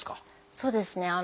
そうですね。